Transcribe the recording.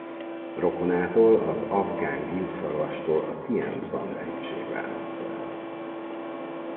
Rokonától az afgán gímszarvastól a Tien-san hegység válassza el.